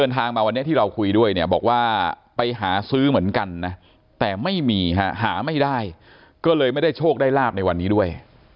แต่ไม่มีฮะหาไม่ได้ก็เลยไม่ได้โชคได้ราบในวันนี้ด้วย